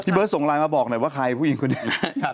พี่เบิร์ดส่งลายมาบอกหน่อยว่าใครผู้หญิงคนเดียว